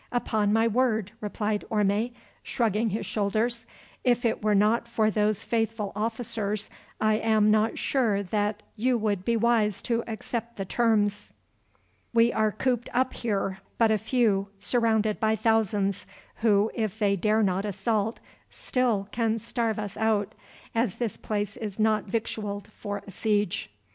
"Upon my word," replied Orme, shrugging his shoulders, "if it were not for those faithful officers I am not sure but that you would be wise to accept the terms. We are cooped up here, but a few surrounded by thousands, who, if they dare not assault, still can starve us out, as this place is not victualled for a siege."